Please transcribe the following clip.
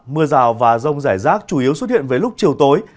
mưa rào và rông rải rác chủ yếu xuất hiện với lúc chiều tối